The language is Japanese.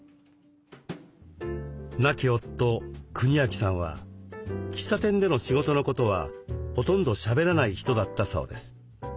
亡き夫國昭さんは喫茶店での仕事のことはほとんどしゃべらない人だったそうです。